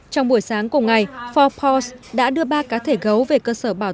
trong buổi sáng cùng ngày forbes đã đưa ba cá thể gấu về cơ sở